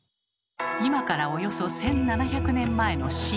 今からおよそ１，７００年前の晋。